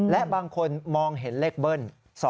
และบางคนมองเห็นเลขเบิ้ล